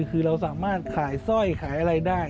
คือเราสามารถขายสร้อยขายอะไรได้